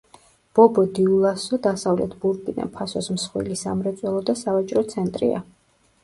ბობო-დიულასო დასავლეთ ბურკინა-ფასოს მსხვილი სამრეწველო და სავაჭრო ცენტრია.